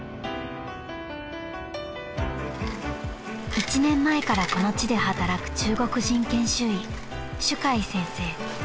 ［１年前からこの地で働く中国人研修医朱海先生］